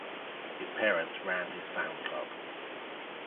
His parents ran his fan club.